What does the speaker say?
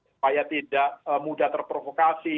supaya tidak mudah terprovokasi